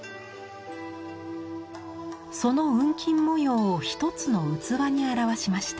その雲錦模様を一つの器に表しました。